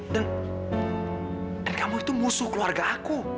dan kamu itu musuh keluarga aku